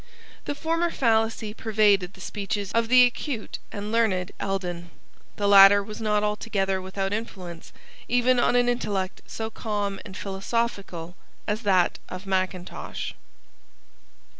The former fallacy pervaded the speeches of the acute and learned Eldon. The latter was not altogether without influence even on an intellect so calm and philosophical as that of Mackintosh.